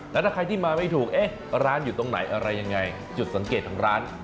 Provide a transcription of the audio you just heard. แล้วถ้าใครที่มาไม่ถูกเอ๊ะร้านอยู่ตรงไหนอะไรยังไงจุดสังเกตของร้าน